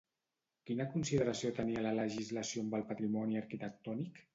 Quina consideració tenia la legislació amb el patrimoni arquitectònic?